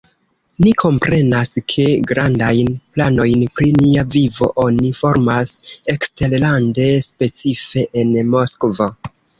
Ni komprenas ke grandajn planojn pri nia vivo oni formas eksterlande, specife en Moskvo.